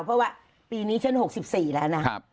เพราะว่าปีนี้ฉัน๖๔แล้วนะ